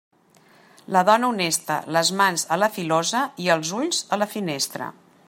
La dona honesta, les mans a la filosa i els ulls a la finestra.